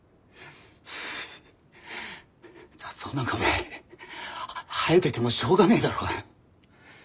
雑草なんかお前生えててもしょうがねえだろうが。